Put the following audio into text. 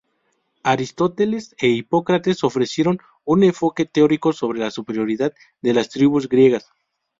Aristóteles e Hipócrates ofrecieron un enfoque teórico sobre la superioridad de las tribus griegas.